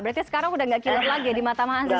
berarti sekarang udah gak kilo lagi ya di mata mahasiswa